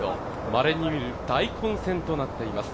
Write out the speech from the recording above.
まれに見る大混戦となっています。